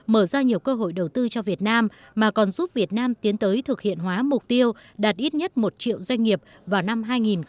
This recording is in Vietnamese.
mở ra nhiều cơ hội đầu tư cho việt nam mà còn giúp việt nam tiến tới thực hiện hóa mục tiêu đạt ít nhất một triệu doanh nghiệp vào năm hai nghìn hai mươi